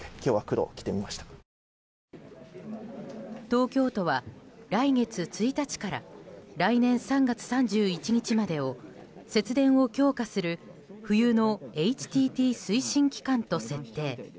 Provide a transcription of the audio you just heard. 東京都は来月１日から来年３月３１日までを節電を強化する冬のＨＴＴ推進期間と設定。